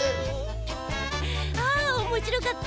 あおもしろかった！